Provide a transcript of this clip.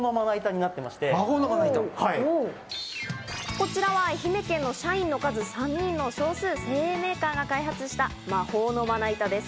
こちらは愛媛県の社員の数、３人の少数精鋭メーカーが開発した「魔法のまな板」です。